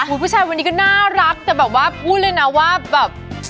พูดชายวันนี้ก็น่ารักเพราะแบบว่าว่าแบบ